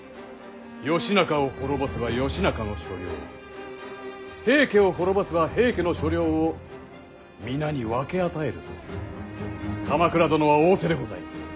義仲を滅ぼせば義仲の所領平家を滅ぼせば平家の所領を皆に分け与えると鎌倉殿は仰せでございます。